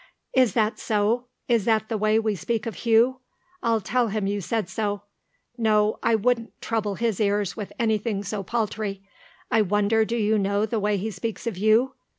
"Is that so? Is that the way we speak of Hugh? I'll tell him you said so. No, I wouldn't trouble his ears with anything so paltry. I wonder do you know the way he speaks of you?